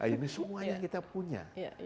ini semuanya kita punya